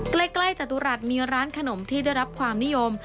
ใกล้จตุรัสมีร้านขนมที่ได้รับความนิยม